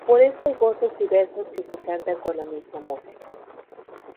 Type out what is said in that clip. Por eso hay gozos diversos que se cantan con la misma música.